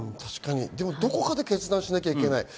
どこかで決断しないといけない。